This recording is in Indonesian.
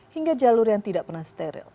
hingga jalur yang tidak pernah steril